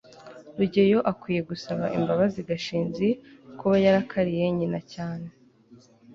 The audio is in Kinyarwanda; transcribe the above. rugeyo akwiye gusaba imbabazi gashinzi kuba yarakariye nyina cyane